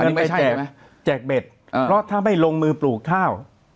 ไม่ใช่อยู่เอาเงินไปแจกเบ็ดเพราะถ้าไม่ลงมือปลูกข้าว